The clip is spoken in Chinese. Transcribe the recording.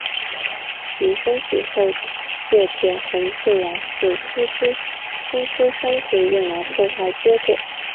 其升级后血红铁碎牙使出的风之伤可以用来破坏结界。